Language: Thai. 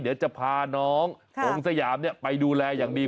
เดี๋ยวจะพาน้ององสยามไปดูแลอย่างดี